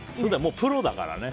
プロだからね。